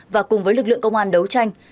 và cùng với lực lượng công an đấu tranh